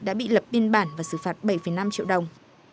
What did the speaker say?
đã bị lập biên bản và xử phạt bảy năm triệu đồng